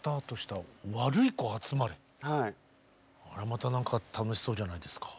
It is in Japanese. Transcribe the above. また何か楽しそうじゃないですか。